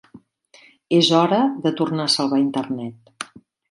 És hora de tornar a salvar Internet.